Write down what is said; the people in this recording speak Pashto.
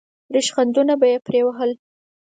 ریشخندونه به یې پرې وهل.